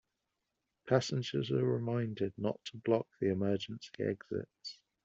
Passengers are reminded not to block the emergency exits.